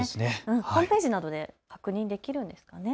ホームページなどで確認できるんですかね。